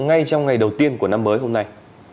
ngay trong ngày đầu tiên của năm mới hôm nay